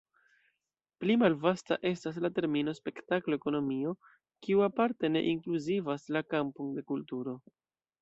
Pli malvasta estas la termino spektaklo-ekonomio, kiu aparte ne inkluzivas la kampon de kulturo.